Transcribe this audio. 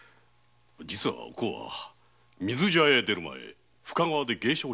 実はお甲は水茶屋に出る前深川で芸者をしておりました。